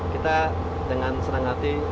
kita dengan senang hati